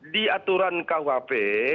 di aturan kuhp